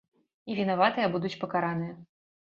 І вінаватыя будуць пакараныя.